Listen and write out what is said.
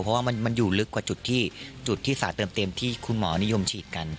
เพราะว่ามันอยู่ลึกกว่าจุดที่สารเติมเต็มที่คุณหมอนิยมฉีดกัน